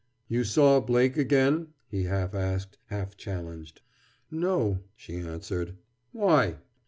"You saw Blake again?" he half asked, half challenged. "No," she answered. "Why?"